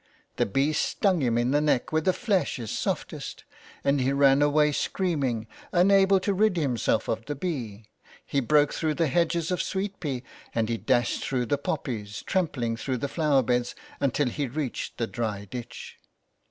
The bee stung him in the neck where the flesh is softest, and he ran away screaming, unable to rid himself of the bee. He broke through the hedges of sweet pea, and he dashed through the poppies, trampling through the flower beds, until he reached the dry ditch.